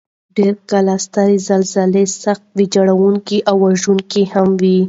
ډېر کله سترې زلزلې سخت ویجاړونکي او وژونکي هم وي.